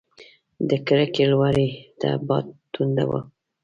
د کړکۍ لوري ته باد تونده و.